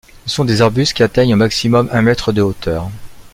Ce sont des arbustes qui atteignent au maximum un mètre de hauteur.